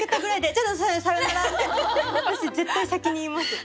私絶対先に言います。